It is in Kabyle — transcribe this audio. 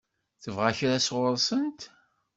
Tebɣa kra sɣur-sent?